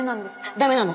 ダメなの！